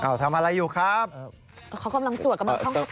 กล่าวทำอะไรอยู่ครับเขากำลังสวดกำลัง